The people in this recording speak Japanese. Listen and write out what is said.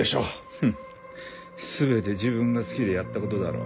フッ全て自分が好きでやったことだろう？